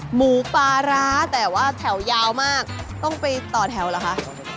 หมูปลาร้าแต่ว่าแถวยาวมากต้องไปต่อแถวเหรอคะ